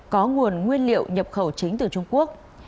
có nguồn nguyên liệu nhập khẩu chính từ trung quốc